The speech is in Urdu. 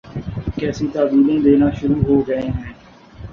کیسی تاویلیں دینا شروع ہو گئے ہیں۔